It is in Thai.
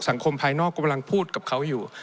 ภายนอกกำลังพูดกับเขาอยู่